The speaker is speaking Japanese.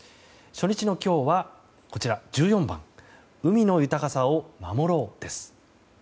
初日の今日は、１４番「海の豊かさを守ろう」です。